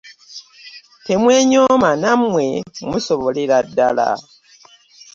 Temwenyooma nammwe musobolera ddala.